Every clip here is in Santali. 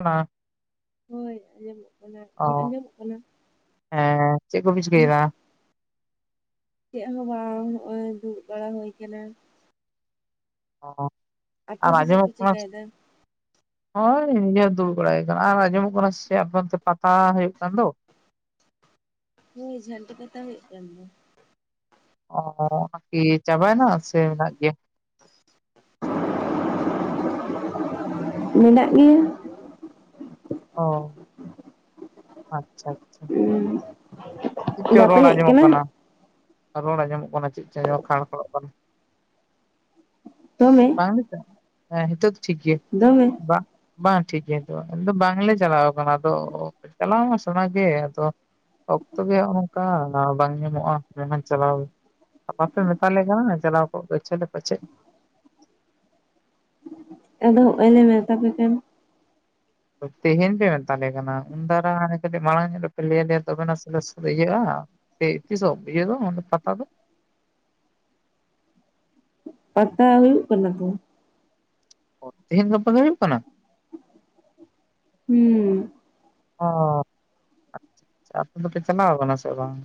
ᱚᱱᱟ ᱦᱳᱭ ᱟᱸᱡᱚᱢᱚᱜ ᱠᱟᱱᱟ ᱚ ᱤᱧᱟᱹᱜ ᱟᱸᱡᱚᱢᱚᱜ ᱠᱟᱱᱟ ᱦᱮᱸ ᱪᱮᱜ ᱠᱚᱯᱮ ᱪᱤᱠᱟᱹᱭ ᱫᱟ? ᱪᱮᱜ ᱦᱚᱸ ᱵᱟᱝ ᱱᱚᱜ-ᱚᱭ ᱫᱩᱲᱩᱵ ᱵᱟᱲᱟ ᱦᱩᱭ ᱠᱟᱱᱟ। ᱚ ᱟᱯᱮ ᱟᱨ ᱫᱚ ᱪᱮᱫ ᱯᱮ ᱟᱸᱡᱚᱢᱚᱜ ᱠᱚᱱᱟ ᱥᱮ ᱪᱤᱠᱟᱭᱮᱫᱟ ᱱᱚᱜ-ᱚᱭ ᱤᱡᱟᱹ ᱫᱩᱲᱩᱵ ᱵᱟᱲᱟ ᱦᱩᱭ ᱠᱟᱱᱟ ᱟᱨ ᱟᱸᱡᱚᱢᱚᱜ ᱠᱟᱱᱟ ᱥᱮ ᱟᱯᱮ ᱚᱱᱛᱮ ᱯᱟᱛᱟ ᱦᱩᱭᱩᱜ ᱠᱟᱱ ᱫᱚ? ᱦᱳᱭ ᱡᱷᱟᱱᱴᱤ ᱯᱟᱛᱟ ᱦᱩᱭᱩᱜ ᱠᱟᱱ ᱫᱚ। ᱚ ᱟᱨᱠᱤ ᱪᱟᱵᱟᱭ ᱱᱟ ᱥᱮ ᱢᱮᱱᱟᱜ ᱜᱮᱭᱟ? ᱢᱮᱱᱟᱜ ᱜᱮᱭᱟ, ᱚ ᱟᱪᱪᱷᱟ ᱟᱪᱪᱷᱟ, [unintelligible] ᱪᱮᱜ ᱪᱚᱝ ᱵᱟᱯᱮ ᱨᱚᱲ ᱦᱮᱡ ᱟᱸᱡᱚᱢᱚᱜ ᱠᱟᱱᱟ? ᱨᱚᱲ ᱟᱸᱡᱚᱢᱚᱜ ᱠᱟᱱᱟ, ᱪᱮᱜ ᱪᱚᱝ ᱠᱷᱟᱲ ᱠᱷᱚᱲᱚᱜ ᱠᱟᱱᱟ? ᱫᱚᱢᱮ [unintelligible] ᱦᱮᱸ ᱦᱮᱛᱚᱜ ᱫᱚ ᱴᱷᱤᱠ ᱜᱮᱭᱟ ᱫᱚᱢᱮ ᱵᱟᱝ ᱵᱟᱝ ᱴᱷᱤᱠ ᱜᱮ ᱛᱚ ᱟᱫᱚ ᱵᱟᱝᱞᱮ ᱪᱟᱞᱟᱣ ᱠᱟᱱᱟ ᱛᱚ ᱪᱟᱞᱟᱣ ᱢᱟ ᱥᱟᱱᱟ ᱜᱮ, ᱟᱫᱚ ᱚᱠᱛᱚ ᱜᱮ ᱱᱚᱝᱠᱟ ᱫᱟᱣ ᱵᱟᱝ ᱧᱟᱢᱚᱜ-ᱟ᱾ ᱮᱱᱠᱷᱟᱱ ᱪᱟᱞᱟᱣ ᱵᱟᱯᱮ ᱢᱮᱛᱟᱞᱮ ᱠᱟᱱᱟ ᱪᱟᱞᱟᱣ ᱠᱚᱜ ᱜᱮᱪᱚᱞᱮ ᱯᱟᱪᱮᱫ᱾ ᱟᱫᱚ ᱦᱚᱜᱼᱚᱭ ᱞᱮ ᱢᱮᱛᱟᱯᱮ ᱠᱟᱱ ᱛᱮᱦᱮᱧ ᱯᱮ ᱢᱮᱛᱟᱞᱮ ᱠᱟᱱᱟ ᱩᱱ ᱫᱟᱨᱟ ᱦᱟᱱᱮ ᱠᱟᱹᱴᱤᱡ ᱢᱟᱲᱟᱝ ᱧᱚᱜ ᱨᱮᱯᱮ ᱞᱟᱹᱭ ᱟᱞᱮᱭᱟ ᱛᱚᱵᱮᱱᱟ ᱥᱮ ᱞᱮ ᱤᱭᱟᱹᱜ- ᱟ᱾ ᱛᱮᱭ ᱛᱤᱥᱚᱜ ᱤᱭᱟᱹ ᱫᱚ ᱚᱱᱟ ᱯᱟᱛᱟ ᱫᱚ? ᱯᱟᱛᱟ ᱦᱩᱭᱩᱜ ᱠᱟᱱᱟ ᱛᱚ᱾ ᱚ ᱛᱮᱦᱮᱧ ᱜᱟᱯᱟ ᱜᱮ ᱦᱩᱭᱩᱜ ᱠᱟᱱᱟ? ᱦᱩᱸ ᱚ ᱟᱪᱪᱷᱟ ᱟᱪᱪᱷᱟ ᱟᱯᱮ ᱫᱚᱯᱮ ᱪᱟᱞᱟᱣ ᱠᱟᱱᱟ ᱥᱮ ᱵᱟᱝ?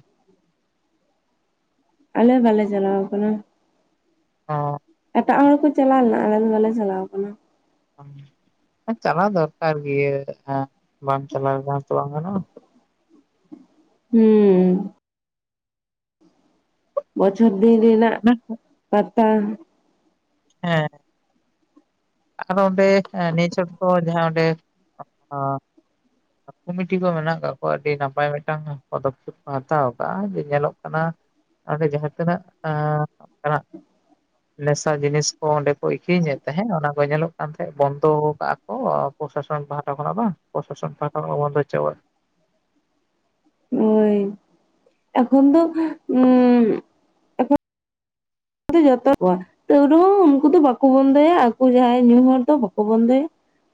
ᱟᱞᱮ ᱵᱟᱞᱮ ᱪᱟᱞᱟᱣ ᱠᱟᱱᱟ᱾ ᱚᱻ ᱮᱴᱟᱜ ᱦᱚᱲ ᱠᱚ ᱪᱟᱞᱟᱣ ᱞᱮᱱᱟ, ᱟᱞᱮ ᱫᱚ ᱵᱟᱞᱮ ᱪᱟᱞᱟᱣ ᱠᱟᱱᱟ᱾ ᱚ ᱟᱨ ᱪᱟᱞᱟᱣ ᱫᱚᱨᱠᱟᱨ ᱜᱮ, ᱵᱟᱢ ᱪᱟᱞᱟᱣ ᱞᱮᱱᱠᱷᱟᱱ ᱛᱚ ᱵᱟᱝ ᱜᱟᱱᱚᱜᱼᱟ᱾ ᱦᱩᱸ ᱵᱚᱪᱷᱚᱨ ᱫᱤᱱ ᱨᱮᱱᱟᱜ ᱚᱱᱮ ᱯᱟᱛᱟ ᱦᱮᱸ ᱟᱫᱚ ᱚᱸᱰᱮ ᱱᱤᱭᱟᱹ ᱪᱷᱚᱴ ᱫᱚ ᱡᱟᱦᱟᱸ ᱚᱸᱰᱮ [unintelligible] ᱠᱚᱢᱤᱴᱤ ᱠᱚ ᱢᱮᱱᱟᱜ ᱠᱟᱜ ᱠᱚᱣᱟ ᱟᱹᱰᱤ ᱱᱟᱯᱟᱭ ᱢᱤᱫᱴᱟᱝ ᱯᱚᱫᱚᱠᱷᱮᱯ ᱠᱚ ᱦᱟᱛᱟᱣ ᱠᱟᱜ ᱼᱟ᱾ ᱡᱮ ᱧᱮᱞᱚᱜ ᱠᱟᱱᱟ ᱚᱸᱰᱮ ᱡᱟᱦᱟᱸ ᱛᱤᱱᱟᱹᱜ ᱟᱸ [unintelligible] ᱱᱮᱥᱟ ᱡᱤᱱᱤᱥ ᱠᱚ ᱚᱸᱰᱮ [unintelligible] ᱟᱹᱠᱷᱨᱤᱧᱮᱫ ᱛᱟᱦᱮᱸᱫ ᱚᱱᱟ ᱠᱚ ᱧᱮᱞᱚᱜ ᱟᱱᱛᱮ ᱵᱚᱱᱫᱚ ᱠᱟᱜ-ᱟ ᱠᱚ ᱯᱨᱚᱥᱟᱥᱚᱱ ᱯᱟᱦᱟᱴᱟ ᱠᱷᱚᱱᱟᱜ ᱵᱟᱝ ᱯᱨᱚᱥᱟᱥᱚᱱ ᱯᱟᱦᱟᱴᱟ ᱠᱷᱚᱱ ᱵᱚᱱᱫᱚ ᱦᱚᱪᱚ ᱠᱟᱜᱼᱟ᱾ ᱦᱳᱭ ᱮᱠᱷᱚᱱ ᱫᱚ ᱩᱸ [unintelligible] ᱟᱫᱚ ᱡᱷᱚᱛᱚ ᱠᱚ ᱛᱟᱹᱣ ᱨᱮᱦᱚ ᱩᱱᱠᱩ ᱫᱚ ᱵᱟᱠᱚ ᱵᱚᱱᱫᱚᱭᱟ, ᱟᱠᱚ ᱡᱟᱦᱟᱸᱭ ᱧᱩ ᱦᱚᱲ ᱫᱚ ᱵᱟᱠᱚ ᱵᱚᱱᱫᱚᱭᱟ᱾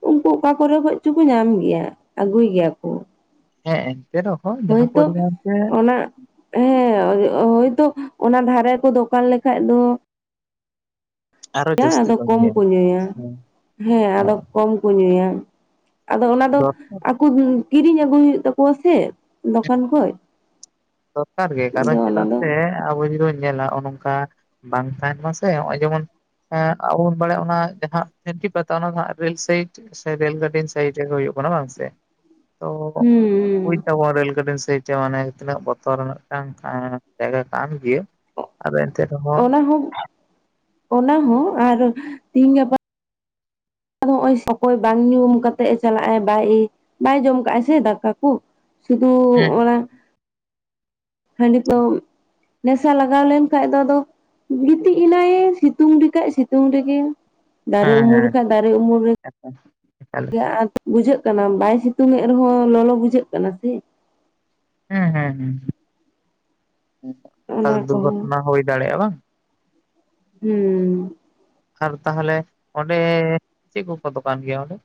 ᱩᱱᱠᱩ ᱚᱠᱟ ᱠᱚᱨᱮ ᱠᱷᱚᱡᱪᱚᱠᱚ ᱧᱟᱢ ᱜᱮᱭᱟ ᱟᱹᱜᱩᱭ ᱜᱮᱭᱟ ᱠᱚ᱾ ᱦᱮᱸᱜ ᱮᱸ ᱮᱱᱛᱮ ᱫᱚ ᱦᱳᱭ ᱛᱚ ᱚᱱᱟ ᱦᱮᱸ ᱦᱳᱭ ᱛᱳ ᱚᱱᱟ ᱫᱷᱟᱨᱮ ᱠᱚ ᱫᱚᱠᱟᱱ ᱞᱮᱠᱷᱟᱡ ᱫᱚ ᱟᱫᱚ ᱠᱚᱢ ᱠᱚ ᱧᱩᱭᱟ ᱦᱮᱸ ᱦᱮᱸ ᱟᱫᱚ ᱠᱚᱢ ᱠᱚ ᱧᱩᱭᱟ ᱟᱫᱚ ᱚᱱᱟ ᱫᱚ ᱫᱚᱨᱠᱟᱨ ᱟᱠᱚ ᱠᱤᱨᱤᱧ ᱟᱹᱜᱩᱭ ᱦᱩᱭᱩᱜ ᱛᱟᱠᱚᱣᱟ ᱥᱮ ᱫᱚᱠᱟᱱ ᱠᱷᱚᱡ ᱫᱚᱨᱠᱟᱨ ᱜᱮ ᱟᱫᱚ ᱠᱟᱨᱚᱱ ᱚᱱᱟ ᱪᱮᱫᱟᱜ ᱫᱚ ᱥᱮ ᱟᱵᱚ ᱡᱩᱫᱤ ᱵᱚᱱ ᱧᱮᱞᱟ ᱱᱚᱜ ᱱᱚᱝᱠᱟ ᱵᱟᱝ ᱛᱟᱦᱮᱱ ᱢᱟᱥᱮ ᱱᱚᱜᱼᱚᱭ ᱡᱮᱢᱚᱱ ᱟᱵᱚ ᱵᱚᱱ ᱵᱟᱲᱟᱭᱟ ᱚᱱᱟ ᱡᱟᱦᱟᱸ ᱡᱷᱟᱱᱹᱴᱤ ᱯᱟᱛᱟ ᱚᱱᱟ ᱫᱚ ᱦᱟᱜ ᱨᱮᱹᱞ ᱥᱟᱭᱤᱰ ᱥᱮ ᱨᱮᱞ ᱜᱟᱹᱰᱤ ᱥᱟᱭᱤᱰ ᱨᱮᱜᱮ ᱦᱩᱭᱩᱜ ᱠᱟᱱᱟ ᱵᱟᱝ ᱥᱮ ᱛᱚ ᱵᱩᱡᱽ ᱦᱩᱸ ᱮᱫᱟ ᱵᱚᱱ ᱨᱮᱹᱞ ᱜᱟᱹᱰᱤ ᱥᱟᱭᱤᱰ ᱢᱟᱱᱮ ᱛᱤᱱᱟᱹᱜ ᱵᱚᱛᱚᱨ ᱟᱱᱟᱜ ᱢᱤᱫᱴᱟᱝ ᱡᱟᱭᱜᱟ ᱠᱟᱱ ᱜᱮᱭᱟ ᱟᱫᱚ ᱮᱱᱛᱮ ᱨᱮᱦᱚᱸ ᱚᱱᱟ ᱦᱚᱸ ᱚᱱᱟ ᱦᱚᱸ ᱟᱨ ᱛᱤᱦᱤᱧ ᱜᱟᱯᱟ ᱟᱫᱚ ᱦᱚᱸᱜᱼᱚᱭ ᱚᱠᱚᱭ ᱵᱟᱝ ᱧᱩᱢ ᱠᱟᱛᱮ ᱮ ᱪᱟᱞᱟᱜᱼ ᱟᱭ ᱵᱟᱭ [unintelligible] ᱵᱟᱭ ᱡᱚᱢ ᱠᱟᱜᱟᱭ ᱥᱮ ᱫᱟᱠᱟ ᱠᱚ ᱥᱩᱫᱩ ᱦᱮᱸ ᱚᱱᱟ ᱦᱟᱸᱰᱤ ᱯᱟᱹᱣ ᱱᱮᱥᱟ ᱞᱟᱜᱟᱣ ᱞᱮᱱᱠᱟᱷᱡ ᱫᱚ ᱟᱫᱚ ᱜᱤᱛᱤᱡ ᱮᱱᱟᱭ ᱮ ᱥᱤᱛᱩᱝ ᱨᱮ ᱠᱷᱟᱡ ᱥᱤᱛᱩᱝ ᱨᱮᱜᱮ ᱫᱟᱨᱮ ᱦᱮᱸ ᱩᱢᱩᱞ ᱨᱮ ᱦᱮᱸ ᱠᱷᱟᱡ ᱫᱟᱨᱮ ᱩᱢᱩᱞ ᱨᱮ ᱮᱠᱟᱞ ᱮᱠᱟᱞ ᱟᱫᱚ ᱵᱩᱡᱷᱟᱹᱜ ᱠᱟᱱᱟ ᱵᱟᱭ ᱥᱤᱛᱩᱝ ᱮᱫ ᱨᱮᱦᱚ ᱞᱚᱞᱚ ᱵᱩᱡᱷᱟᱹᱜ ᱠᱟᱱᱟ ᱥᱮ ᱦᱮᱸ ᱦᱮᱸ ᱦᱮᱸ ᱟᱫᱚ ᱚᱱᱟ ᱠᱚᱦᱚᱸ ᱫᱩᱨᱜᱷᱚᱴᱚᱱᱟ ᱦᱩᱭ ᱫᱟᱲᱮᱭᱟᱜᱼᱟ ᱵᱟᱝ ᱦᱩᱸ ᱟᱨ ᱛᱟᱦᱚᱞᱮ ᱚᱸᱰᱮ ᱪᱮᱫ ᱠᱚᱠᱚ ᱫᱚᱠᱟᱱ ᱜᱮᱭᱟ ᱚᱸᱰᱮ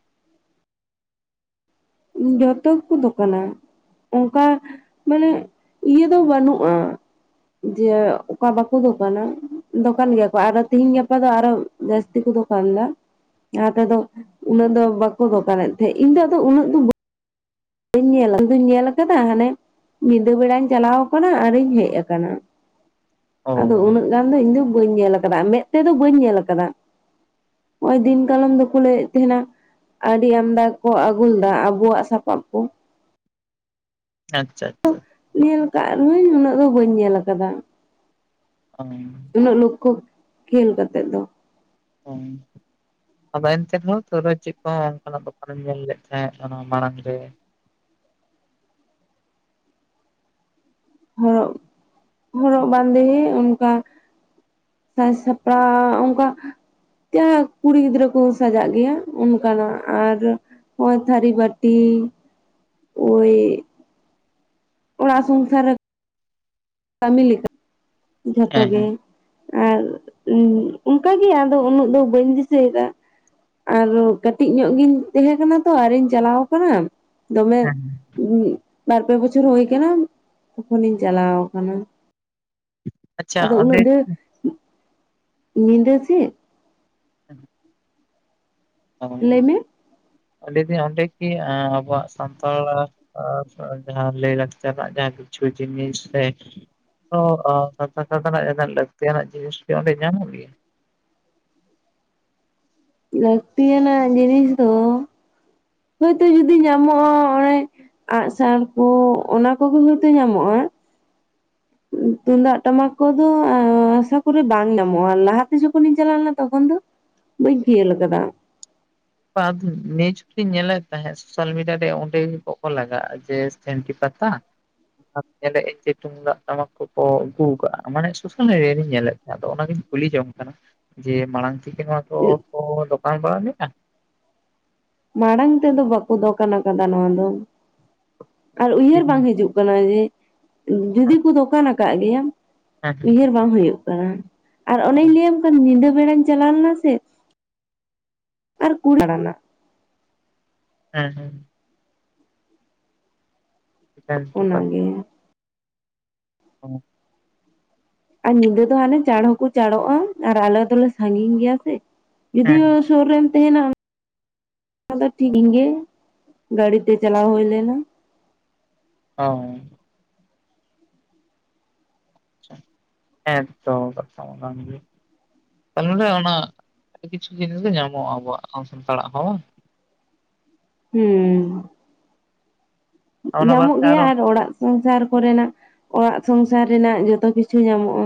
ᱡᱚᱛᱚ ᱜᱮᱠᱚ ᱫᱚᱠᱟᱱᱟ᱾ ᱚᱝᱠᱟ ᱢᱟᱱᱮ ᱤᱭᱟᱹ ᱫᱚ ᱵᱟᱹᱱᱩᱜᱼᱟ᱾ ᱡᱮ ᱚᱠᱟ ᱵᱟᱠᱚ ᱫᱚᱠᱟᱱᱟ ᱫᱚᱠᱟᱱ ᱜᱮᱭᱟ ᱠᱚ ᱟᱨᱚ ᱛᱤᱦᱮᱧ ᱜᱟᱯᱟ ᱫᱚ ᱟᱨᱚ ᱡᱟᱹᱥᱛᱤ ᱠᱚ ᱫᱚᱠᱟᱱ ᱫᱟ ᱞᱟᱦᱟ ᱛᱮᱫᱚ ᱩᱱᱟᱹᱜ ᱫᱚ ᱵᱟᱠᱚ ᱫᱚᱠᱟᱱᱮᱫ ᱛᱟᱦᱮᱸᱡ, ᱤᱧ ᱫᱚ ᱟᱫᱚ ᱩᱱᱟᱹᱜ [unintelligible] ᱵᱟᱹᱧ ᱧᱮᱞᱼᱟ ᱤᱧ ᱫᱩᱧ ᱧᱮᱞ ᱟᱠᱟᱫᱟ ᱦᱟᱱᱮ ᱧᱤᱫᱟᱹ ᱵᱮᱲᱟᱧ ᱪᱟᱞᱟᱣ ᱠᱟᱱᱟ ᱟᱨᱤᱧ ᱦᱮᱡ ᱠᱟᱱᱟ᱾ ᱚ ᱟᱫᱚ ᱩᱱᱟᱹᱜ ᱜᱟᱱ ᱫᱚ ᱤᱧ ᱫᱚ ᱵᱟᱹᱧ ᱧᱮᱞ ᱠᱟᱫᱟ ᱢᱮᱫ ᱛᱮᱫᱚ ᱵᱟᱹᱧ ᱧᱮᱞ ᱠᱟᱫᱟ᱾ ᱦᱚᱸᱚᱭ ᱫᱤᱱ ᱠᱟᱞᱚᱢ ᱫᱚᱠᱚ ᱞᱟᱹᱭᱮᱫ ᱛᱟᱦᱮᱱᱟ ᱟᱹᱰᱤ ᱟᱢᱫᱟ ᱠᱚ ᱟᱹᱜᱩᱞ ᱫᱟ ᱟᱵᱚᱣᱟᱜ ᱥᱟᱯᱟᱵ ᱠᱚ᱾ ᱟᱪᱪᱷᱟ ᱟᱪᱪᱷᱟ᱾ ᱧᱮᱞ ᱠᱟᱜ ᱨᱮᱦᱚᱸᱧ ᱩᱱᱟᱹᱜ ᱫᱚ ᱵᱟᱹᱧ ᱧᱮᱞ ᱟᱠᱟᱫᱟ᱾ ᱚ ᱩᱱᱟᱹᱜ ᱞᱚᱠᱠᱷᱚ ᱠᱷᱮᱞ ᱠᱟᱛᱮᱜ ᱫᱚ [unintelligible] ᱟᱫᱚ ᱮᱱᱛᱮ ᱨᱮᱦᱚᱸ ᱞᱟᱹᱭ ᱨᱮᱦᱚ ᱪᱮᱫ ᱠᱚ ᱚᱱᱠᱟᱱᱟᱜ ᱫᱚᱠᱟᱱᱮᱢ ᱧᱮᱞ ᱞᱮᱫ ᱛᱟᱦᱮᱸ ᱚᱱᱟ ᱢᱟᱲᱟᱝ ᱨᱮ? ᱦᱚᱨᱚᱜ ᱦᱚᱨᱚᱜ ᱵᱟᱸᱫᱮ ᱚᱱᱠᱟ ᱥᱟᱡᱽ ᱥᱟᱯᱟᱣ ᱚᱝᱠᱟ ᱡᱟᱦᱟᱸ ᱠᱩᱲᱤ ᱜᱤᱫᱽᱨᱟᱹ ᱠᱚ ᱥᱟᱡᱟᱜ ᱜᱮᱭᱟ ᱚᱱᱠᱟᱱᱟᱜ ᱟᱨ ᱦᱳᱭ ᱛᱷᱟᱨᱤ ᱵᱟᱴᱤ ᱳᱭ ᱚᱲᱟᱜ ᱥᱚᱝᱥᱟᱨᱮ ᱠᱟᱹᱢᱤ ᱞᱮᱠᱟ ᱡᱷᱚᱛᱚ ᱦᱮᱸ ᱜᱮ᱾ ᱦᱮᱸ ᱟᱨ ᱚᱱᱠᱟᱜᱮ ᱟᱫᱚ ᱩᱱᱟᱹᱜ ᱫᱚ ᱵᱟᱹᱧ ᱫᱤᱥᱟᱹᱭᱫᱟ᱾ ᱟᱨ ᱠᱟᱹᱴᱤᱡ ᱧᱚᱜ ᱜᱤᱧ ᱛᱮᱦᱮᱸ ᱠᱟᱱᱟ ᱛᱚ ᱟᱨᱤᱧ ᱪᱟᱞᱟᱣ ᱟᱠᱟᱱᱟ᱾ ᱫᱚᱢᱮ ᱦᱮᱸ ᱵᱟᱨᱯᱮ ᱵᱚᱪᱷᱚᱨ ᱦᱳᱭ ᱠᱟᱱᱟ ᱛᱚᱠᱷᱚᱱᱤᱧ ᱪᱟᱞᱟᱣ ᱠᱟᱱᱟ᱾ ᱟᱪᱷᱟ ᱟᱫᱚ ᱚᱸᱰᱮ ᱩᱱᱟᱹᱜ ᱰᱷᱮᱨ ᱧᱤᱫᱟᱹ ᱥᱮᱫ [inaudible] ᱞᱟᱹᱭ ᱢᱮ᱾ ᱟᱰᱤ ᱫᱤᱱ ᱚᱸᱰᱮ ᱠᱤ ᱟᱸᱵᱚᱣᱟᱸᱜ ᱥᱟᱱᱛᱟᱲ ᱟᱲᱟ ᱟᱨ ᱡᱟᱦᱟᱸ ᱞᱟᱹᱭ ᱞᱟᱠᱪᱟᱨ ᱨᱮᱱᱟᱜ ᱡᱟᱦᱟᱸ ᱠᱤᱪᱷᱩ ᱡᱤᱱᱤᱥ ᱥᱮ ᱚ, ᱚ [unintelligible] ᱨᱮᱱᱟᱜ ᱞᱟᱹᱠᱛᱤ ᱟᱱᱟᱜ ᱡᱤᱱᱤᱥ ᱠᱚ ᱚᱸᱰᱮ ᱧᱟᱢᱚᱜ ᱜᱮᱭᱟ? ᱞᱟᱹᱠᱛᱤᱭᱟ ᱱᱟᱜ ᱡᱤᱱᱤᱥ ᱫᱚ ᱦᱳᱭ ᱛᱚ ᱡᱩᱫᱤ ᱧᱟᱢᱚᱜᱼᱟ᱾ ᱚᱱᱮ ᱟᱸᱜ ᱥᱟᱨ ᱠᱚ ᱚᱱᱟ ᱠᱚᱜᱮ ᱦᱚᱭᱵᱛᱚ ᱧᱟᱢᱚᱜ-ᱟ᱾ ᱛᱩᱢᱫᱟᱜ ᱴᱟᱢᱟᱠ ᱠᱚᱫᱚ ᱟᱸᱥᱟ ᱠᱚᱨᱮ ᱵᱟᱝ ᱧᱟᱢᱚᱜᱼᱟ᱾ ᱞᱟᱦᱟ ᱛᱮ ᱡᱚᱠᱷᱚᱱ ᱤᱧ ᱪᱟᱞᱟᱣ ᱞᱮᱱᱟ ᱛᱚᱠᱷᱚᱱ ᱫᱚ ᱵᱟᱹᱧ ᱠᱷᱤᱭᱟᱹᱞ ᱟᱠᱟᱫᱟ᱾ ᱱᱤᱭᱟᱹ ᱡᱚᱠᱷᱟᱹᱧ ᱧᱮᱞᱮᱫ ᱛᱟᱦᱮᱸᱫ ᱥᱳᱥᱟᱞ ᱢᱤᱰᱤᱭᱟ ᱨᱮ ᱚᱸᱰᱮ ᱠᱚᱠᱚ ᱞᱟᱜᱟᱜᱼᱟ ᱡᱮ ᱥᱮᱱᱴᱤ ᱯᱟᱛᱟ᱾ ᱟᱫᱚ ᱧᱮᱞᱮ ᱤᱧ ᱡᱮ ᱛᱩᱢᱫᱟᱜ ᱴᱟᱢᱟᱠ ᱠᱚᱠᱚ ᱟᱹᱜᱩᱣ ᱠᱟᱜᱟ, ᱢᱟᱱᱮ ᱥᱳᱥᱟᱹᱱ [unintelligible] ᱧᱮᱞᱮᱜ ᱠᱚᱣᱟ ᱟᱫᱚ ᱚᱱᱟᱜᱤᱧ ᱠᱩᱞᱤ ᱡᱚᱝ ᱠᱟᱱᱟ ᱡᱮ ᱢᱟᱲᱟᱝ ᱛᱷᱩᱠᱮ ᱱᱚᱣᱟ ᱠᱚ ᱠᱚ ᱫᱚᱠᱟᱱ ᱵᱟᱲᱟ ᱞᱮᱜᱼᱟ? ᱢᱟᱲᱟᱝ ᱛᱮᱫᱚ ᱵᱟᱠᱚ ᱫᱚᱠᱟᱱ ᱠᱟᱫᱟ ᱱᱚᱣᱟ ᱫᱚ ᱟᱨ ᱩᱭᱦᱟᱹᱨ ᱵᱟᱝ ᱦᱮᱸ ᱦᱤᱡᱩᱜ ᱠᱟᱱᱟ ᱡᱮ ᱡᱩᱫᱤ ᱠᱚ ᱫᱚᱠᱟᱱ ᱟᱠᱟᱜ ᱜᱮᱭᱟ᱾ ᱦᱮᱸ ᱩᱭᱦᱟᱹᱨ ᱵᱟᱝ ᱦᱳᱭᱳᱜ ᱠᱟᱱᱟ ᱟᱨ ᱚᱱᱮᱧ ᱞᱟᱹᱭᱟᱢ ᱠᱟᱱ ᱧᱤᱫᱟᱹ ᱵᱮᱲᱟᱧ ᱪᱟᱞᱟᱣ ᱞᱮᱱᱟ ᱥᱮ᱾ ᱟᱨ [unintelligible] ᱦᱮᱸ, ᱦᱮᱸ᱾ ᱚᱱᱟᱜᱮ [inaudible] [inaudible] ᱟᱨ ᱧᱤᱫᱟᱹ ᱫᱚ ᱦᱟᱱᱮ ᱪᱟᱬ ᱦᱚᱸᱠᱚ ᱪᱟᱲᱚᱜᱼᱟ ᱟᱨ ᱟᱞᱮ ᱫᱚᱞᱮ ᱥᱟᱸᱜᱤᱧ ᱜᱮᱭᱟ ᱥᱮ᱾ ᱡᱚᱫᱤᱭᱳ ᱦᱮᱸ ᱥᱳᱨ ᱨᱮᱢ ᱛᱟᱦᱮᱱᱟ ᱟᱫᱚ [inaudible] ᱜᱮ ᱜᱟᱹᱲᱤ ᱛᱮ ᱪᱟᱞᱟᱣ ᱦᱩᱭ ᱞᱮᱱᱟ᱾ ᱚ ᱦᱮᱸ ᱛᱚ ᱠᱟᱛᱷᱟ ᱢᱟ ᱠᱟᱱ ᱜᱮᱭᱟ ᱛᱟᱦᱚᱞᱮ ᱚᱸᱰᱮ ᱚᱱᱟ ᱟᱹᱰᱤ ᱠᱤᱪᱷᱩ ᱡᱤᱱᱤᱥ ᱜᱮ ᱧᱟᱢᱚᱜᱼᱟ ᱟᱵᱚᱣᱟᱜ ᱥᱟᱱᱛᱟᱲ ᱟᱜ ᱦᱚᱸ ᱦᱩᱸ ᱚᱱᱟ ᱵᱟᱫ ᱧᱟᱢᱚᱜ ᱛᱮ ᱜᱮᱭᱟ ᱟᱨᱚ ᱟᱨ ᱚᱲᱟᱜ ᱥᱚᱝᱥᱟᱨ ᱠᱚᱨᱮᱱᱟᱜ ᱚᱲᱟᱜ ᱥᱚᱝᱥᱟᱨ ᱨᱮᱱᱟᱜ ᱡᱚᱛᱚ ᱠᱤᱪᱷᱩ ᱧᱟᱢᱚᱜᱼᱟ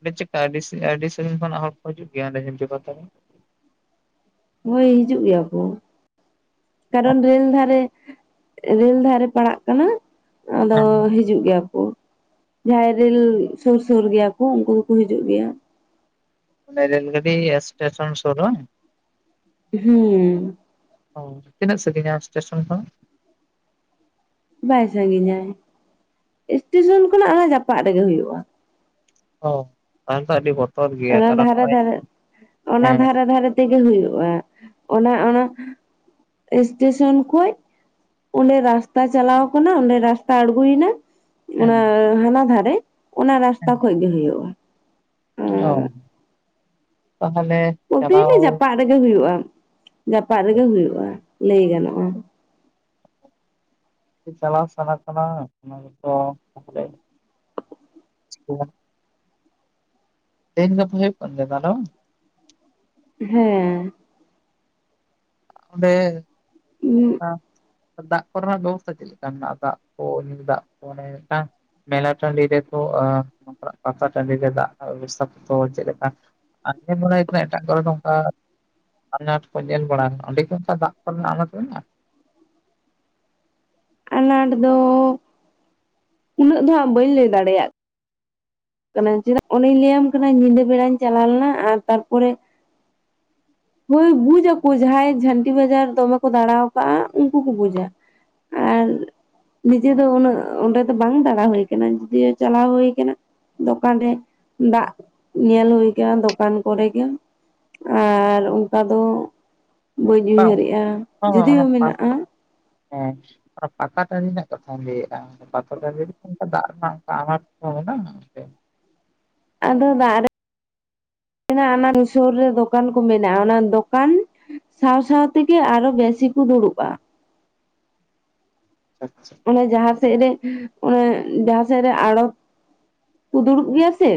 ᱚᱸᱰᱮ ᱪᱮᱠᱟ ᱟᱹᱰᱤ [unintelligible] ᱟᱹᱰᱤ ᱥᱟᱺᱜᱤᱧ ᱠᱷᱚᱱᱟᱜ ᱦᱚᱲ ᱠᱚ ᱦᱤᱡᱩᱜ ᱜᱮᱭᱟ ᱚᱸᱰᱮ ᱡᱷᱟᱹᱱᱴᱤ ᱯᱟᱛᱟ ᱨᱮ ᱦᱳᱭ ᱦᱤᱡᱩᱜ ᱜᱮᱭᱟ ᱠᱚ ᱠᱟᱨᱚᱱ ᱨᱮᱹᱞ ᱫᱷᱟᱨᱮ ᱨᱮᱹᱞ ᱫᱷᱟᱨᱮ ᱯᱟᱲᱟᱜ ᱠᱟᱱᱟ ᱟᱫᱚ ᱦᱮᱸ᱾ ᱦᱤᱡᱩᱜ ᱜᱮᱭᱟ ᱠᱚ ᱡᱟᱦᱟᱸᱭ ᱨᱮᱹᱞ ᱥᱩᱨ ᱥᱩᱨ ᱜᱮᱭᱟ ᱠᱚ ᱩᱱᱠᱩ ᱦᱩᱠᱚ ᱦᱤᱡᱩᱜ ᱜᱮᱭᱟ ᱚᱸᱰᱮ ᱨᱮᱞ ᱜᱟᱹᱰᱤ ᱥᱴᱮᱥᱚᱱ ᱥᱩᱨ ᱵᱟᱝ ᱦᱩᱸ ᱚ ᱛᱤᱱᱟᱹᱜ ᱥᱟᱺᱜᱤᱧᱟ ᱥᱴᱮᱥᱚᱱ ᱠᱷᱚᱱ ᱵᱟᱭ ᱥᱟᱺᱜᱤᱧᱟᱭ ᱥᱴᱮᱥᱚᱱ ᱠᱷᱚᱱᱟᱜ ᱚᱱᱟ ᱡᱟᱯᱟᱜ ᱨᱮᱜᱮ ᱦᱩᱭᱩᱜᱼᱟ ᱚ ᱛᱟᱞᱦᱮ ᱛᱚ ᱟᱹᱰᱤ ᱵᱚᱛ ᱚᱱᱟ ᱫᱷᱟᱨᱮ ᱫᱷᱟᱨᱮ ᱚᱱᱟ ᱦᱮᱸ ᱫᱷᱟᱨᱮ ᱫᱷᱟᱨᱮ ᱛᱮᱜᱮ ᱦᱩᱭᱩᱜᱼᱟ ᱚᱱᱟ ᱚᱱᱟ ᱥᱴᱮᱥᱚᱱ ᱠᱷᱚᱡ ᱚᱸᱰᱮ ᱨᱟᱥᱛᱟ ᱪᱟᱞᱟᱣ ᱟᱠᱟᱱᱟ ᱚᱸᱰᱮ ᱨᱟᱥᱛᱟ ᱟᱬᱜᱚᱭᱮᱱᱟ ᱚᱱᱟ ᱦᱮᱸ ᱦᱟᱱᱟ ᱫᱷᱟᱨᱮ ᱚᱱᱟ ᱨᱟᱥᱛᱟ ᱠᱷᱚᱡ ᱜᱮ ᱦᱩᱭᱩᱜᱼᱟ ᱚ ᱛᱟᱦᱟᱞᱮ ᱵᱚᱞᱛᱮ ᱜᱮᱞᱮ ᱡᱟᱯᱟᱜ ᱨᱮᱜᱮ ᱦᱩᱭᱩᱜᱼᱟ ᱡᱟᱯᱟᱜ ᱨᱮᱜᱮ ᱦᱩᱭᱩᱜᱼᱟ ᱞᱟᱹᱭ ᱜᱟᱱᱚᱜᱼᱟ ᱪᱟᱞᱟᱣ ᱥᱟᱱᱟ ᱠᱟᱱᱟ ᱚᱱᱟ ᱜᱮᱛᱚ ᱛᱟᱦᱚᱞᱮ [unintelligible] ᱛᱮᱦᱮᱧ ᱜᱟᱯᱟ ᱦᱳᱭᱳᱜ ᱠᱟᱱ ᱜᱮᱭᱟ ᱫᱟᱞᱳ ᱦᱮᱸ ᱚᱰᱮ ᱦᱩᱸ ᱫᱟᱜ ᱠᱚᱨᱮᱱᱟᱜ ᱵᱮᱵᱚᱥᱛᱷᱟ ᱪᱮᱫ ᱞᱮᱠᱟ ᱢᱮᱱᱟᱜᱼᱟ ᱫᱟᱜ ᱠᱚ ᱧᱩ ᱫᱟᱜ ᱠᱚ ᱟᱱᱮ ᱴᱟᱝ ᱢᱮᱞᱟ ᱴᱟᱺᱰᱤ ᱨᱮᱫᱚ ᱯᱟᱛᱟ ᱴᱟᱺᱰᱤ ᱨᱮ ᱫᱟᱜ ᱵᱮᱵᱚᱥᱛᱷᱟ ᱠᱚ ᱫᱚ ᱪᱮᱫ ᱞᱮᱠᱟ ᱟᱨ ᱧᱮᱞ ᱵᱟᱲᱟ ᱦᱩᱭ ᱟᱠᱟᱱᱟ ᱮᱴᱟᱜ ᱠᱚᱨᱮ ᱱᱚᱝᱠᱟ ᱟᱱᱟᱴ ᱠᱚ ᱧᱮᱞ ᱵᱟᱲᱟᱜᱼᱟ ᱾ ᱚᱸᱰᱮ ᱠᱤ ᱚᱱᱠᱟ ᱫᱟᱜ ᱠᱚᱨᱮᱱᱟᱜ ᱟᱱᱟᱴ ᱢᱮᱱᱟᱜᱼᱟ ᱟᱱᱟᱴ ᱫᱚ ᱩᱱᱟᱹᱜ ᱫᱚ ᱦᱟᱸᱜ ᱵᱟᱹᱧ ᱞᱟᱹᱭ ᱫᱟᱲᱮᱭᱟᱜ ᱛᱚᱵᱮᱱ ᱪᱮᱫᱟᱜ ᱚᱱᱮᱧ ᱞᱟᱹᱭᱟᱢ ᱠᱟᱱᱟ ᱧᱤᱫᱟᱹ ᱵᱮᱲᱟᱧ ᱪᱟᱞᱟᱣ ᱞᱮᱱᱟ ᱟᱨ ᱛᱟᱨᱯᱚᱨᱮ ᱾ ᱦᱳᱭ ᱵᱩᱡ ᱟᱠᱳ ᱡᱟᱦᱟᱭ ᱡᱷᱟᱹᱱᱴᱤ ᱵᱟᱡᱟᱨ ᱫᱚᱢᱮ ᱠᱚ ᱫᱟᱲᱟᱣ ᱠᱟᱜ ᱟ ᱩᱱᱠᱩ ᱠᱚ ᱵᱩᱡᱟ ᱾ ᱟᱨ ᱱᱤᱡᱮ ᱫᱚ ᱩᱱᱟᱹᱜ ᱚᱸᱰᱮ ᱫᱚ ᱵᱟᱝ ᱫᱟᱲᱟ ᱦᱳᱭ ᱠᱟᱱᱟ ᱡᱩᱫᱤᱭᱳ ᱪᱟᱞᱟᱣ ᱦᱳᱭ ᱠᱟᱱᱟ ᱾ ᱫᱚᱠᱟᱱ ᱨᱮ ᱫᱟᱜ ᱧᱮᱞ ᱦᱳᱭ ᱠᱟᱱᱟ ᱫᱚᱠᱟᱱ ᱠᱚᱨᱮᱜᱮ ᱾ ᱟᱨ ᱚᱱᱠᱟ ᱫᱚ ᱵᱟᱹᱧ ᱵᱟᱝ ᱩᱭᱦᱟᱹᱨᱮᱜ ᱟ ᱵᱟᱝ ᱡᱩᱫᱤᱭᱳ ᱚᱱᱟ ᱯᱟ ᱢᱮᱱᱟᱜ ᱟ ᱾ ᱦᱮᱸ ᱯᱟᱴᱟ ᱴᱟᱺᱰᱤ ᱨᱮᱱᱟᱜ ᱠᱟᱛᱷᱟᱧ ᱞᱟᱹᱭᱮᱜ ᱟ ᱾ ᱯᱟᱛᱟ ᱴᱟᱺᱰᱤ ᱨᱮᱠᱤ ᱚᱱᱠᱟ ᱫᱟᱜ ᱨᱮᱱᱟᱜ ᱚᱱᱠᱟ ᱟᱱᱟᱴ ᱠᱚ ᱢᱮᱱᱟᱜ ᱟ᱾ ᱟᱫᱚ ᱫᱟᱜ ᱨᱮ ᱢᱮᱱᱟᱜ ᱚᱱᱟ ᱥᱳᱨ ᱨᱮ ᱫᱚᱠᱟᱱ ᱠᱚ ᱢᱮᱱᱟᱜ ᱟ ᱚᱱᱟ ᱫᱚᱠᱟᱱ ᱾ ᱥᱟᱶ ᱥᱟᱶ ᱛᱮᱜᱮ ᱟᱨᱦᱚ ᱵᱮᱥᱤ ᱠᱩ ᱫᱩᱲᱩᱵ ᱟ᱾ ᱟᱪᱪᱷᱟ ᱾ ᱚᱱᱮ ᱡᱟᱦᱟ ᱥᱮᱫ ᱨᱮ ᱚᱱᱮ ᱡᱟᱦᱟ ᱥᱮᱫ ᱨᱮ ᱟᱲᱚᱛ ᱠᱩ ᱫᱩᱲᱩᱵ ᱜᱮᱭᱟ ᱥᱮ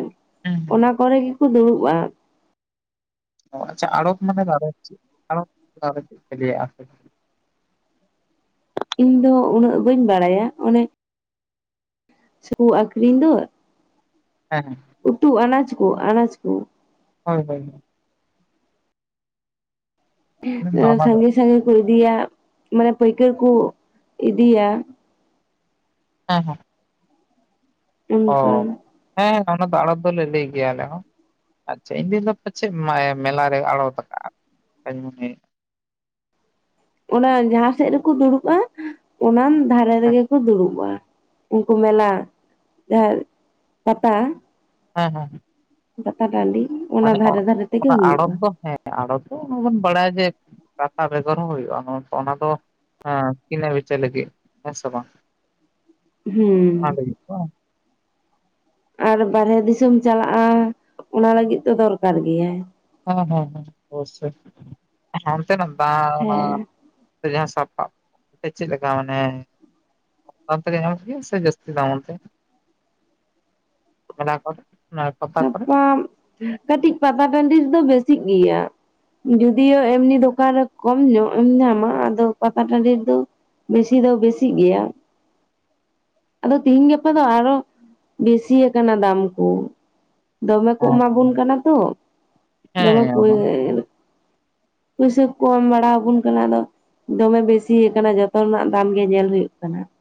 ᱦᱩᱸ ᱾ ᱦᱩᱸ ᱚᱱᱟ ᱠᱚᱨᱮ ᱜᱮᱠᱚ ᱫᱩᱲᱩᱵ ᱟ ᱾ ᱚ ᱟᱪᱷᱟ ᱟᱨᱲᱚᱛ ᱢᱟᱱᱮ ᱟᱨᱚᱛ ᱪᱮᱜ ᱟᱨᱚᱛ ᱟᱨᱦᱚᱸ ᱪᱮᱜ ᱯᱮ ᱞᱟᱹᱭᱟ ᱟᱯᱮ ᱤᱧ ᱫᱚ ᱩᱱᱟᱹᱜ ᱵᱟᱹᱧ ᱵᱟᱲᱟᱭᱟ ᱚᱱᱮ ᱥᱩᱫᱷᱩ ᱟᱹᱠᱨᱤᱧ ᱫᱳ ᱾ ᱦᱮᱜ ᱠᱟᱱᱟ ᱾ ᱩᱛᱩ ᱟᱱᱟᱡ ᱠᱳ ᱟᱱᱟᱡ ᱠᱳ ᱾ ᱦᱳᱭ ᱦᱳᱭ ᱾ ᱟᱞᱮ ᱢᱟ ᱚᱱᱟ ᱫᱚ ᱥᱟᱹᱜᱤᱧ ᱥᱟᱹᱜᱤᱧ ᱠᱳ ᱤᱫᱤᱭᱟ ᱢᱟᱱᱮ ᱯᱟᱹᱭᱠᱟᱹᱨ ᱠᱳ ᱤᱫᱤᱭᱟ ᱾ ᱦᱮᱸ ᱦᱮᱸ ᱾ ᱚ ᱚᱱᱠᱟ ᱦᱮᱸ ᱚᱱᱟ ᱫᱚ ᱟᱲᱚᱛ ᱫᱚᱞᱮ ᱞᱮᱭ ᱜᱮᱭᱟ ᱟᱞᱮ ᱦᱚᱸ ᱾ ᱟᱪᱪᱷᱟ ᱤᱧ ᱫᱩᱧ ᱫᱚ ᱯᱟᱪᱮᱫ ᱢᱟᱭᱟ ᱢᱮᱞᱟᱨᱮ ᱟᱲᱚᱛ ᱠᱟᱜ ᱟ ᱚᱱᱠᱟᱧ ᱢᱚᱱᱮ ᱚᱱᱟ ᱡᱟᱦᱟ ᱥᱮᱫ ᱨᱮᱠᱚ ᱫᱩᱲᱩᱵ ᱟ ᱚᱱᱟᱱ ᱫᱷᱟᱨᱮ ᱦᱮᱸ ᱨᱮᱜᱮ ᱠᱚ ᱫᱩᱲᱩᱵ ᱟ ᱾ ᱩᱱᱠᱩ ᱢᱮᱱᱟᱜ ᱡᱟᱦᱟ ᱯᱟᱛᱟ ᱾ ᱦᱮᱸ ᱦᱮᱸ᱾ ᱯᱟᱛᱟ ᱴᱟᱺᱰᱤ ᱚᱱᱟ ᱢᱟᱱᱮ ᱫᱷᱟᱨᱮ ᱫᱷᱟᱨᱮ ᱛᱮᱜᱮ ᱚᱱᱟ ᱦᱩᱭᱩᱜ ᱟᱲᱚᱛ ᱟ ᱫᱚ ᱾ ᱦᱮᱸ ᱟᱲᱚᱛ ᱫᱚ ᱚᱱᱟᱵᱚᱱ ᱵᱟᱲᱟᱭᱟ ᱡᱮ ᱯᱟᱛᱟ ᱵᱮᱜᱚᱨ ᱦᱚᱸ ᱦᱳᱭᱳᱜ ᱟ ᱚᱱᱟ ᱫᱚ ᱦᱮᱸ ᱠᱤᱱᱟᱹ ᱵᱮᱪᱟᱹ ᱞᱟᱹᱜᱤᱫ ᱦᱮᱸ ᱥᱮ ᱵᱟᱝ? ᱦᱩᱸ ᱚᱱᱟ ᱾ ᱞᱟᱹᱜᱤᱫ ᱵᱟᱝ ᱾ ᱟᱨ ᱵᱟᱨᱦᱮ ᱫᱤᱥᱚᱢ ᱪᱟᱞᱟᱜ ᱟ ᱚᱱᱟ ᱞᱟᱹᱜᱤᱫ ᱫᱚ ᱫᱚᱨᱠᱟᱨ ᱜᱮᱭᱟᱭ ᱾ ᱦᱮᱸ ᱦᱮᱸ ᱦᱮᱸ ᱳᱵᱳᱥᱳᱭ ᱚᱱᱛᱮᱱᱟᱜ ᱫᱟᱜ ᱚᱱᱟ ᱦᱮᱸ ᱾ ᱥᱮ ᱡᱟᱦᱟ ᱥᱟᱯᱟᱵ ᱠᱟᱱ ᱥᱮ ᱪᱮᱫ ᱞᱮᱠᱟ ᱢᱟᱱᱮ? ᱚᱱᱟ ᱛᱮᱜᱮ ᱧᱟᱢᱜ ᱜᱮᱭᱟ ᱥᱮ ᱡᱟᱹᱥᱛᱤ ᱫᱟᱢ ᱚᱱᱛᱮ? ᱚᱱᱟ ᱠᱚ ᱥᱟᱵ ᱠᱟᱜ ᱟᱢ ᱠᱟᱹᱴᱤᱡ ᱯᱟᱛᱟ ᱴᱟᱹᱱᱰᱤ ᱨᱮᱫᱚ ᱵᱮᱥᱤᱜ ᱜᱤᱭᱟ ᱾ ᱡᱩᱫᱤᱭᱳ ᱮᱢᱱᱤ ᱫᱳᱠᱟᱱ ᱨᱮ ᱠᱚᱢ ᱧᱚᱜ ᱮᱢ ᱧᱟᱢᱟ ᱟᱫᱚ ᱯᱟᱛᱟ ᱴᱟᱹᱱᱰᱤ ᱨᱮᱫᱚ ᱾ ᱵᱮᱥᱤ ᱫᱚ ᱵᱮᱥᱤᱜ ᱜᱤᱭᱟ ᱾ ᱟᱫᱚ ᱛᱮᱦᱤᱧ ᱜᱟᱯᱟ ᱫᱚ ᱟᱨᱦᱚ ᱵᱤᱥᱤᱭᱟᱠᱟᱱᱟ ᱫᱟᱢ ᱠᱳ ᱾ ᱫᱚᱢᱮ ᱠᱳ ᱦᱮᱸ ᱮᱢᱟᱵᱳᱱ ᱠᱟᱱᱟ ᱛᱚ ᱫᱚᱢᱮ ᱯᱚᱭ ᱦᱮᱸ ᱯᱩᱭᱥᱟᱹ ᱠᱚ ᱮᱢ ᱵᱟᱲᱟ ᱟᱵᱚᱱ ᱠᱟᱱᱟ ᱫᱚ ᱾ ᱫᱚᱢᱮ ᱵᱮᱥᱤᱭᱟ ᱠᱟᱱᱟ ᱡᱷᱚᱛᱚ ᱨᱮᱱᱟᱜ ᱫᱟᱢ ᱜᱮ ᱧᱮᱞ ᱦᱳᱭᱳᱜ ᱠᱟᱱᱟ ᱾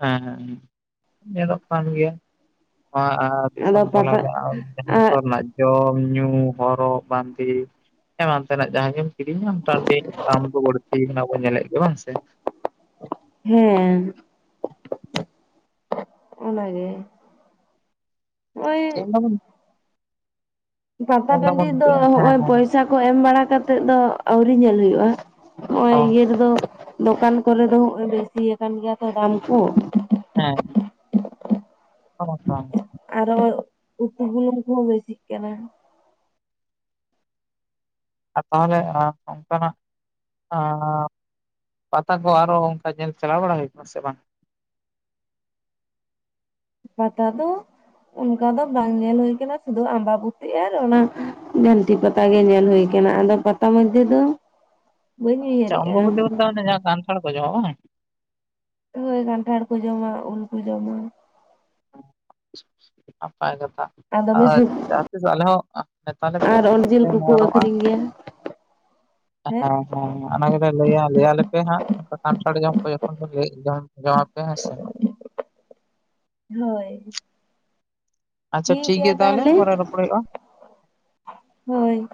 ᱦᱮᱸ ᱦᱮᱸ ᱦᱮᱸ ᱧᱮᱞᱚᱜ ᱠᱟᱱ ᱜᱤᱭᱟ ᱾ ᱱᱚᱣᱟ ᱟᱨ ᱟᱫᱚ ᱥᱚᱞᱛᱚᱞᱟ ᱯᱟᱛᱟ ᱨᱮᱭᱟᱜ ᱫᱤᱥᱚᱢ ᱟᱜ ᱨᱮᱭᱟᱜ [unintelligible] ᱡᱚᱢ ᱧᱩᱸ ᱦᱚᱨᱚᱜ ᱵᱟᱸᱫᱮ ᱮᱢᱟᱱ ᱛᱮᱱᱟᱜ ᱡᱟᱦᱟ ᱜᱮᱢ ᱾ ᱠᱨᱤᱧᱟᱢ ᱴᱟᱱᱴᱤ ᱫᱟᱢ ᱫᱚ ᱵᱟᱹᱲᱛᱤ ᱟᱠᱟᱱᱟ ᱵᱚᱱ ᱧᱮᱞᱮᱫ ᱜᱮᱭᱟ ᱵᱟᱝ ᱥᱮ [unintelligible] ᱴᱷᱮᱱ ᱚᱱᱟᱜᱮ ᱾ ᱪᱮᱫ ᱮᱢ [unintelligible] ᱯᱟᱛᱟ ᱴᱟᱺᱰᱤ ᱫᱚ ᱡᱮ ᱦᱚᱜ ᱦᱮᱸ ᱚᱭ ᱦᱮᱸ ᱯᱚᱭᱥᱟ᱾ ᱠᱚ ᱮᱢ ᱵᱟᱲᱟ ᱠᱟᱛᱮᱫ ᱫᱚ ᱟᱹᱣᱨᱤ ᱧᱮᱞ ᱦᱳᱭᱳᱜᱼᱟ ᱱᱚᱜᱼᱚᱭ ᱚ ᱤᱭᱟᱹ ᱨᱮᱫᱚ ᱫᱚᱠᱟᱱ ᱠᱚᱨᱮ ᱫᱚ ᱦᱚᱜᱼᱚᱭ ᱵᱮᱥᱤᱭᱟᱠᱟᱱ ᱜᱮᱭᱟ ᱛᱚ ᱫᱟᱢ ᱠᱚ ᱦᱮᱸ [unintelligible] ᱟᱨ ᱦᱚᱜᱼᱚᱭ ᱩᱛᱩ ᱵᱩᱞᱩᱝ ᱠᱚᱦᱚᱸ ᱵᱮᱥᱤᱜ ᱠᱟᱱᱟ ᱟᱨ ᱛᱟᱦᱚᱞᱮ ᱟᱢ ᱱᱚᱝᱠᱟᱱᱟᱜ ᱟᱸ ᱯᱟᱛᱟ ᱠᱚ ᱟᱨᱦᱚᱸ ᱚᱱᱠᱟ ᱧᱮᱞ ᱪᱟᱞᱟᱣ ᱵᱟᱲᱟ ᱦᱩᱭ ᱟᱠᱟᱱᱟ ᱥᱮ ᱵᱟᱝ ᱯᱟᱛᱟ ᱫᱚᱻ ᱚᱱᱠᱟ ᱫᱚ ᱵᱟᱝ ᱧᱮᱞ ᱦᱳᱭ ᱟᱠᱟᱱᱟ ᱥᱩᱫᱩ ᱟᱢᱵᱟᱵᱩᱛᱤ ᱟᱨ ᱚᱱᱟ ᱡᱷᱟᱹᱱᱴᱤ ᱯᱟᱼᱼ ᱛᱟ ᱜᱮ ᱧᱮᱞ ᱦᱳᱭ ᱟᱠᱟᱱᱟ ᱟᱫᱚ ᱯᱟᱛᱟ ᱢᱳᱫᱽᱫᱷᱮ ᱫᱚ ᱵᱟᱹᱧ ᱟᱪᱪᱷᱟ ᱩᱭᱦᱟᱹᱨᱮᱜᱼᱟ ᱚᱢᱵᱚᱵᱩᱛᱤ ᱢᱮᱱ ᱛᱮᱫᱚ ᱚᱱᱮ ᱡᱟᱸᱦᱟ ᱠᱟᱱᱴᱷᱟᱲ ᱠᱚ ᱡᱚᱢᱟ ᱵᱟᱝ ᱦᱳᱭ ᱠᱟᱱᱴᱷᱟᱲ ᱠᱚ ᱡᱚᱢᱟ ᱩᱞ ᱠᱚ ᱡᱚᱢᱟ ᱱᱟᱯᱟᱭ ᱠᱟᱛᱷᱟ ᱫᱚᱢᱮ ᱟᱨ ᱥᱩᱠ ᱡᱟᱦᱟᱸ ᱛᱤᱥ ᱟᱞᱮ ᱦᱚᱸ ᱱᱮᱛᱟ ᱞᱮ ᱯᱮ ᱟᱨ ᱚᱱᱟ ᱚᱨ ᱡᱤᱞ ᱜᱮᱞᱮ ᱠᱚᱠᱚ ᱱᱮᱦᱚᱨᱚᱜᱼᱟ ᱟᱹᱠᱷᱨᱤᱧ ᱜᱮᱭᱟ ᱦᱮᱸ ᱦᱮᱸ ᱚᱱᱟ ᱜᱮᱞᱮ ᱞᱟᱹᱭᱟ ᱞᱟᱹᱭ ᱟᱞᱮᱯᱮ ᱱᱷᱟᱜ [unintelligible] ᱠᱟᱱᱴᱷᱟᱲ ᱡᱚᱢ ᱠᱚ ᱡᱚᱠᱷᱚᱱ ᱠᱚ [unintelligible] ᱮᱫᱟ ᱡᱚᱢ ᱟᱯᱮ ᱦᱮᱸ ᱥᱮ ᱦᱳᱭ ᱟᱪᱪᱷᱟ ᱴᱷᱤᱠ ᱜᱤᱭᱟ ᱛᱟᱦᱚᱞᱮ ᱯᱚᱨᱮ ᱨᱚᱯᱚᱲ ᱦᱩᱭᱩᱜᱼᱟ ᱦᱚᱭ